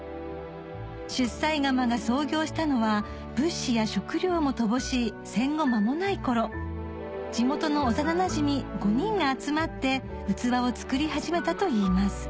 出西窯が創業したのは物資や食糧も乏しい戦後まもない頃地元の幼なじみ５人が集まって器を作り始めたといいます